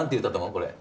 これ。